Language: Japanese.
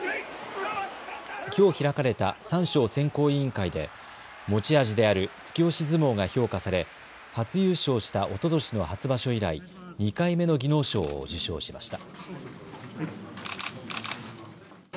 きょう開かれた三賞選考委員会で持ち味である突き押し相撲が評価され初優勝したおととしの初場所以来、２回目の技能賞を受賞しました。